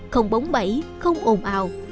không bóng bẫy không ồn ào